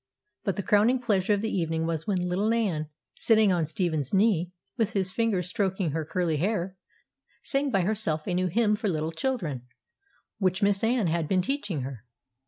But the crowning pleasure of the evening was when little Nan, sitting on Stephen's knee, with his fingers stroking her curly hair, sang by herself a new hymn for little children, which Miss Anne had been teaching her.